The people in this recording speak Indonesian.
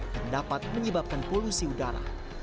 yang dapat menyebabkan polusi udara